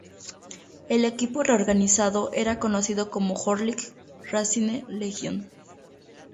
El equipo reorganizado era conocido como Horlick-Racine Legion.